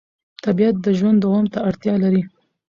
طبیعت د ژوند دوام ته اړتیا لري